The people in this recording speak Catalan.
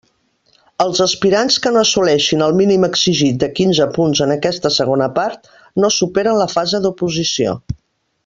Els aspirants que no assoleixen el mínim exigit de quinze punts en aquesta segona part, no superen la fase d'oposició.